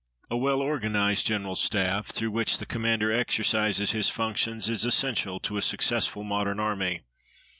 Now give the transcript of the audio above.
A well organized General Staff, through which the Commander exercises his functions, is essential to a successful modern army.